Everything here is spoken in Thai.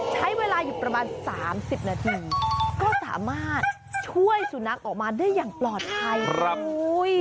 ใช้เวลาอยู่ประมาณ๓๐นาทีก็สามารถช่วยสุนัขออกมาได้อย่างปลอดภัย